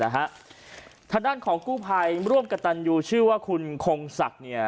นะฮะทดันของกู้ภัยร่วมกับตันยูชื่อว่าคุณคงสักเนี้ย